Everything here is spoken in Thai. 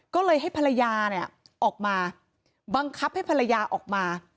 ก็เลยให้ภรรยาเนี่ยออกมาบังคับให้ภรรยาออกมา